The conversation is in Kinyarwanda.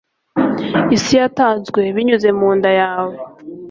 isi yatanzwe binyuze mu nda yawe